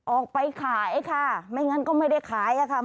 ออกไปขายค่ะไม่งั้นก็ไม่ได้ขายค่ะ